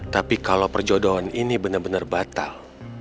tapi kalau perjodohan ini benar benar batal